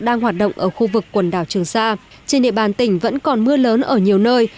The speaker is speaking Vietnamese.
đang hoạt động ở khu vực quần đảo trường sa trên địa bàn tỉnh vẫn còn mưa lớn ở nhiều nơi